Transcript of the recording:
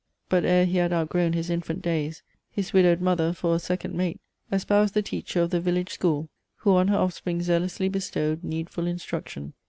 But ere he had outgrown his infant days His widowed Mother, for a second Mate, Espoused the teacher of the Village School; Who on her offspring zealously bestowed Needful instruction."